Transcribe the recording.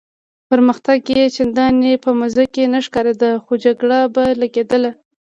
پرمختګ یې چنداني په مزه کې نه ښکارېده، خو جګړه به کېدله.